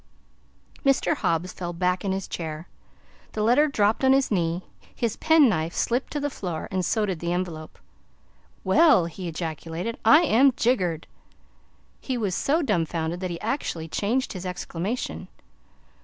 Mr. Hobbs fell back in his chair, the letter dropped on his knee, his pen knife slipped to the floor, and so did the envelope. "Well!" he ejaculated, "I am jiggered!" He was so dumfounded that he actually changed his exclamation.